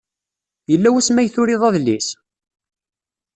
Yella wasmi ay turiḍ adlis?